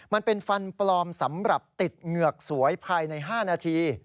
มันเป็นฟันปลอมสำหรับติดเหงือกสวยภายใน๕นาที